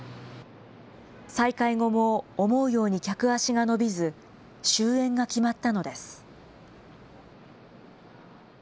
再開後も思うように客足が伸びず、終演が決まったのです。